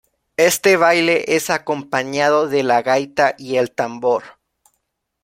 Este baile es acompañado de la gaita y el tambor.